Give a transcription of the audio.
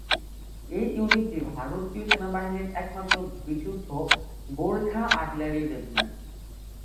এই ইউনিটটি ভারতীয় সেনাবাহিনীর একমাত্র বিশুদ্ধ গোর্খা আর্টিলারি রেজিমেন্ট।